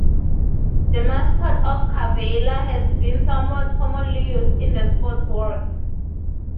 The mascot of Cavalier has been somewhat commonly used in the sports world.